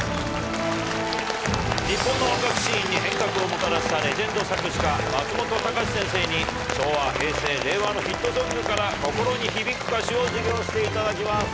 日本の音楽シーンに変革をもたらしたレジェンド作詞家松本隆先生に昭和平成令和のヒットソングから心に響く歌詞を授業していただきます。